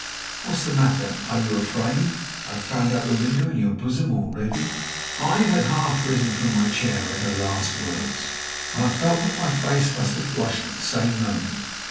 What's the matter? Are you afraid I have found out the window in your bosom already?" I had half risen from my chair at her last words, and I felt that my face must have flushed at the same moment.